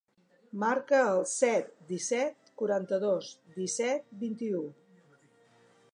Marca el set, disset, quaranta-dos, disset, vint-i-u.